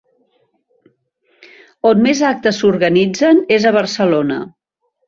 On més actes s’organitzen és a Barcelona.